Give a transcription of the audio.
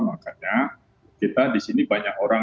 makanya kita di sini banyak orang